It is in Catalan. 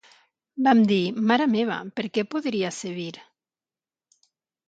Vam dir "Mare meva, per què podria sevir?"